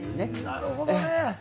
なるほどね。